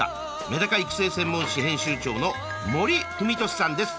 メダカ育成専門誌編集長の森文俊さんです。